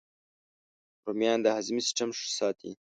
رومیان د هاضمې سیسټم ښه ساتي